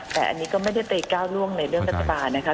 แต่อันนี้ก็ไม่ได้ไปก้าวล่วงในเรื่องรัฐบาลนะคะ